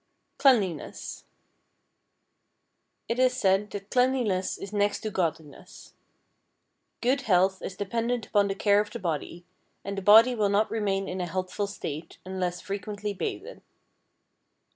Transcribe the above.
Cleanliness It is said that cleanliness is next to godliness. Good health is dependent upon the care of the body, and the body will not remain in a healthful state unless frequently bathed.